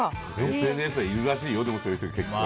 ＳＮＳでいるらしいよそういう人、結構。